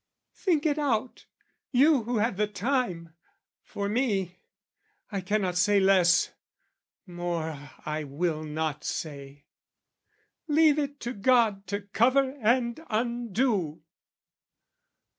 Think it out, you who have the time! for me, I cannot say less; more I will not say. Leave it to God to cover and undo!